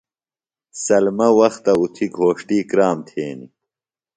سلمہ وختہ اُتھیۡ گھوݜتی کرام تھینیۡ ۔